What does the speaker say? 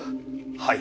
はい。